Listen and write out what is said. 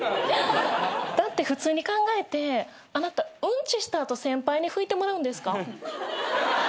だって普通に考えてあなたうんちした後先輩に拭いてもらうんですか？